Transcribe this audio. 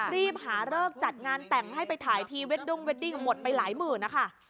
รีบหาเลิกจัดงานแต่งให้ไปถ่ายพรีเวดดิ้งเวดดิ้งหมดไปหลายหมื่นนะคะ